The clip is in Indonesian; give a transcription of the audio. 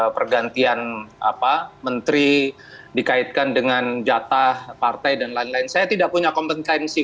pergantian apa menteri dikaitkan dengan jatah partai dan lain lain saya tidak punya kompetensi